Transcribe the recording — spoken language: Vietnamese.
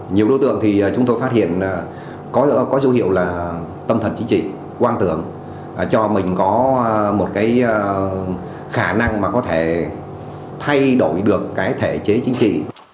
nhiều đối tượng thì chúng tôi phát hiện có dấu hiệu là tâm thần chính trị quang tưởng cho mình có một cái khả năng mà có thể thay đổi được cái thể chế chính trị